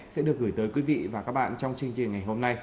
sẽ được gửi tới quý vị và các bạn trong chương trình ngày hôm nay